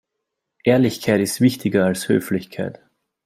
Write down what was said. Ehrlichkeit ist wichtiger als Höflichkeit.